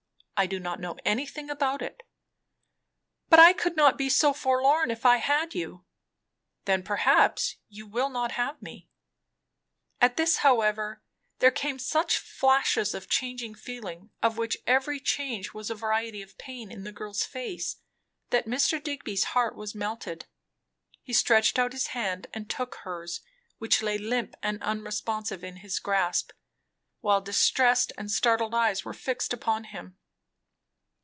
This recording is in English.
I do not know anything about it." "But I could not be so forlorn, if I had you." "Then perhaps you will not have me." At this, however, there came such flashes of changing feeling, of which every change was a variety of pain, in the girl's face, that Mr. Digby's heart was melted. He stretched out his hand and took hers, which lay limp and unresponsive in his grasp, while distressed and startled eyes were fixed upon him.